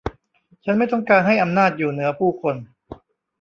ฉันไม่ต้องการให้อำนาจอยู่เหนือผู้คน